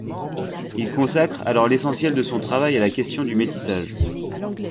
Il consacre alors l'essentiel de son travail à la question du métissage.